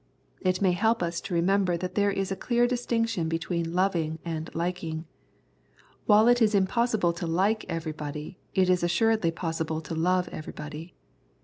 It may help us to remember that there is a clear distinction between loving and liking. While it is im possible to like everybody, it is assuredly possible to love everybody.